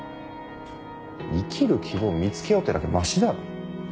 生きる希望見つけようってだけましだろ。